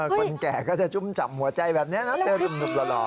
คนแก่ก็จะจุ่มจับหัวใจแบบนี้แล้วเต้นจุ่มจุ่มหล่อ